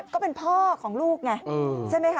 ก็เป็นพ่อของลูกไงใช่ไหมคะ